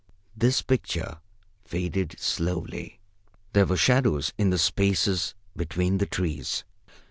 This picture faded slowly. There were shadows in the spaces between the trees.